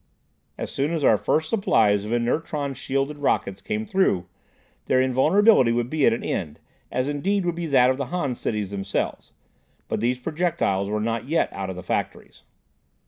As soon as our first supplies of inertron sheathed rockets came through, their invulnerability would be at an end, as indeed would be that of the Han cities themselves. But these projectiles were not yet out of the factories.